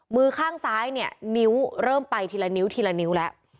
มือข้างซ้ายเนี่ยนิ้วเริ่มไปทีละนิ้วทีละนิ้วแล้ว